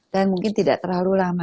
dan mungkin tidak terlalu lama